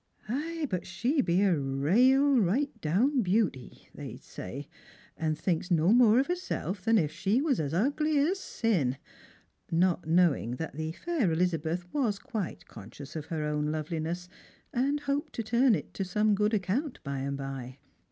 " Ay, but she be a rale right down beauty," they said, " and thinks no more of herself than if she was as ugly as sin;" not knowing that the fair Eliza.beth was quite conscious of her own loveliness, and hoped to turn it to some good account by and by.